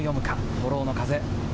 フォローの風。